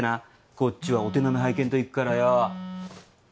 こっちはお手並み拝見といくからよ。